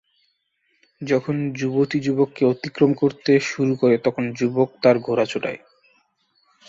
যখন যুবতী যুবককে অতিক্রম করতে শুরু করে তখন যুবক তার ঘোড়া ছোটায়।